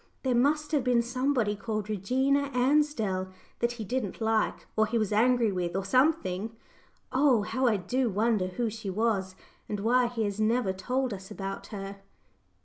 There must have been somebody called 'Regina Ansdell' that he didn't like, or he was angry with, or something. Oh! how I do wonder who she was, and why he has never told us about her?"